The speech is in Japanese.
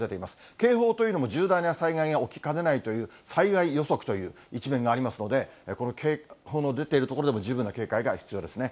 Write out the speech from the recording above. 警報というのも重大な災害が起きかねないという、災害予測という一面がありますので、この警報の出ている所でも十分な警戒が必要ですね。